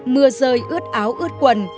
mưa rơi ướt áo ướt quần